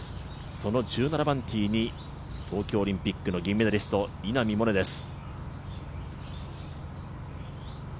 その１７番ティーに東京オリンピックの銀メダリスト、稲見萌寧です。